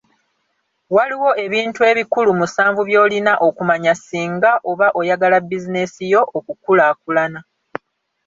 Waliwo ebintu ebikulu musanvu by’olina okumanya singa oba oyagala bizinensi yo okukulaakulana